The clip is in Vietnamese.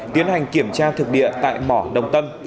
tiến hành kiểm tra thực địa tại mỏ đồng tâm